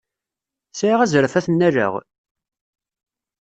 Sɛiɣ azref ad t-nnaleɣ?